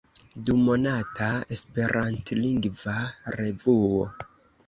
Dumonata esperantlingva revuo.